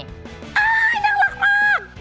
น่ารักมาก